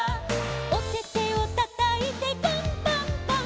「おててをたたいてパンパンパン！！」